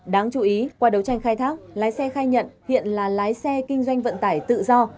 đáng chú ý qua đấu tranh khai thác lái xe khai nhận hiện là lái xe kinh doanh vận tải tự do